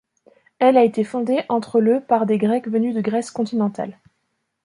Elle a été fondée entre le par des Grecs venus de Grèce continentale.